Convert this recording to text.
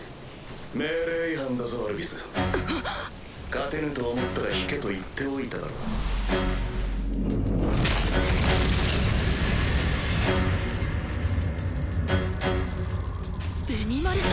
・命令違反だぞアルビス・・勝てぬと思ったら引けと言っておいただろう・ベニマル様！